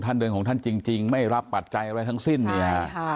เดินของท่านจริงไม่รับปัจจัยอะไรทั้งสิ้นเนี่ย